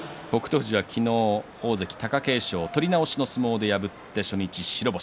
富士は昨日大関貴景勝との取り直しの相撲に勝って初日白星。